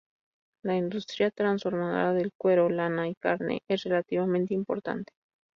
La industria transformadora del cuero, lana y carne es relativamente importante.